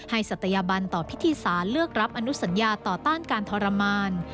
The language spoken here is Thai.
ศัตยบันต่อพิธีศาลเลือกรับอนุสัญญาต่อต้านการทรมาน